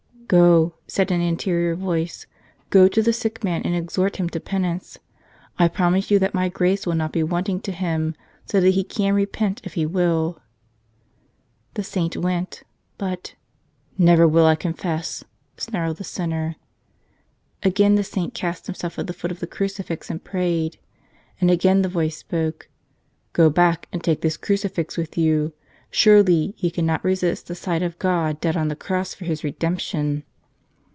'Go,* said an interior voice, 'go to the sick man and exhort him to penance; I promise you that My grace will not be wanting to him, so that he can repent if he will/ The Saint went. But, 'Never will I confess!' snarled the sinner. Again the Saint cast himself at the foot of the crucifix and prayed. And again the voice spoke, 'Go back and take this crucifix with you. Surely, he cannot resist the sight of God dead on the cross for his redemption